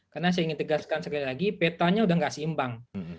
karena saya ingin tegaskan sekali lagi petanya udah nggak seimbang